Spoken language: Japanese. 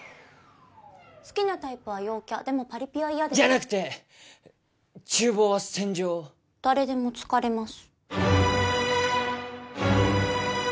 好きなタイプは陽キャでもパリピは嫌ですじゃなくて厨房は戦場誰でも疲れます